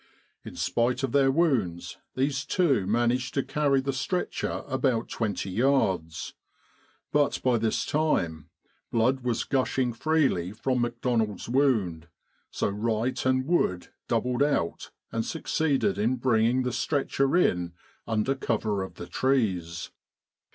In spite of their wounds these two managed to carry the stretcher about twenty yards. But by this time blood was gushing freely from McDonald's wound, so Wright and Wood doubled out and succeeded in bringing the stretcher in under cover of the trees.